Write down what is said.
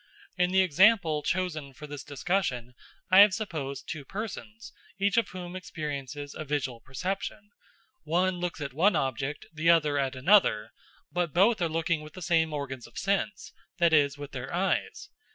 In the example chosen for this discussion, I have supposed two persons, each of whom experiences a visual perception. One looks at one object, the other at another; but both are looking with the same organs of sense, that is, with their eyes.